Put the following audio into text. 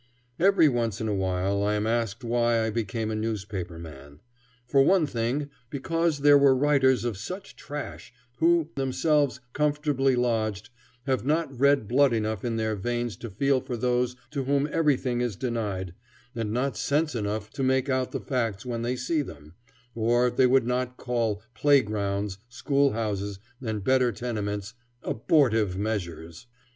Every once in a while I am asked why I became a newspaper man. For one thing, because there were writers of such trash, who, themselves comfortably lodged, have not red blood enough in their veins to feel for those to whom everything is denied, and not sense enough to make out the facts when they see them, or they would not call playgrounds, schoolhouses, and better tenements "abortive measures."